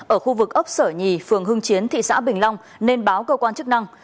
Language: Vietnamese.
ở khu vực ốc sở nhì phường hưng chiến thị xã bình long nên báo cơ quan chức năng